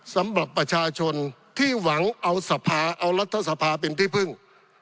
สำหรับประชาชนที่หวังเอาสภาเอารัฐสภาเป็นที่พึ่ง